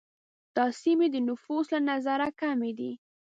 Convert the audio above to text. دا سیمې د نفوس له نظره کمي دي.